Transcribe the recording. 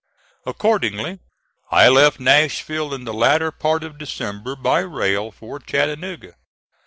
Accordingly I left Nashville in the latter part of December by rail for Chattanooga.